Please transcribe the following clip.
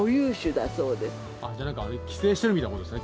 じゃあ何か寄生してるみたいなことですね